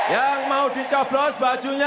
yang mau dicoblos bajunya